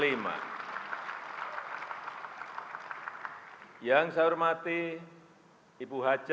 yang saya hormati ibu haja